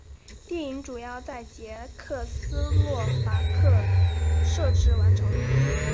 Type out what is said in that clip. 电影主要在捷克斯洛伐克摄制完成。